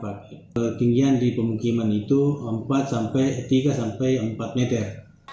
ketinggian di pemukiman itu tiga sampai empat meter